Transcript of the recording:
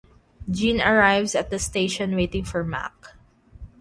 Gin arrives at the station waiting for Mac.